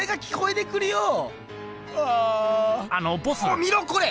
おい見ろこれ。